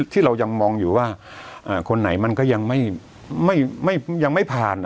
ที่เรายังมองอยู่ว่าคนไหนมันก็ยังไม่ผ่าน